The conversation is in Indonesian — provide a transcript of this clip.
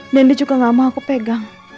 dan dia juga nggak mau aku pegang